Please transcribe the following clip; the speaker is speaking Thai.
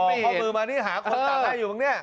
พอเข้ามือมานี่หาคนตัดให้อยู่มั้งเนี่ย